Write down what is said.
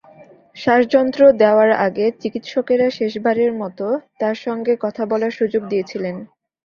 শ্বাসযন্ত্র দেওয়ার আগে চিকিৎসকেরা শেষবারের মতো তাঁর সঙ্গে কথা বলার সুযোগ দিয়েছিলেন।